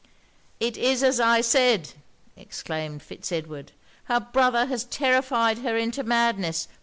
'It is as I said!' exclaimed Fitz Edward: 'her brother has terrified her into madness.